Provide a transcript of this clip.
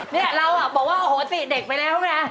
นี่เราอะบอกว่าโอ้โหสิน่ะเด็กไปแล้วหรือไง